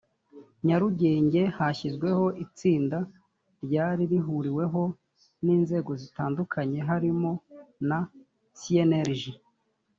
nyarugenge kashyizeho itsinda ryari rihuriweho n’inzego zitandukanye harimo na cnlg